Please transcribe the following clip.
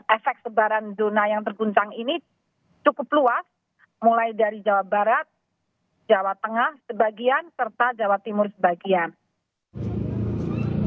efek sebaran zona yang terguncang ini cukup luas mulai dari jawa barat jawa tengah sebagian serta jawa timur sebagian